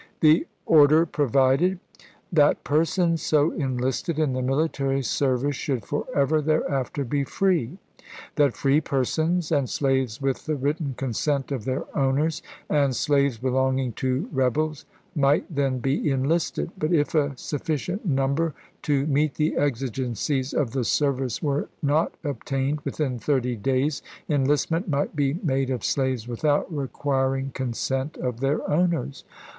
The order provided: That persons so enlisted in the military service should forever thereafter be free; that free persons, and slaves with the written consent of their owners, and slaves belonging to rebels, might then be enlisted ; but if a sufficient number to meet the exigencies of the service were not obtained, within thirty days, enlistment might be made of slaves without requir ing consent of their owners.